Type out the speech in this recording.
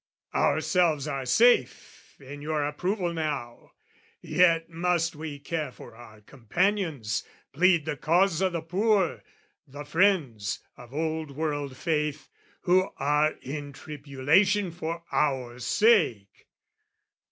Ourselves are safe in your approval now: Yet must we care for our companions, plead The cause o' the poor, the friends (of old world faith) Who are in tribulation for our sake.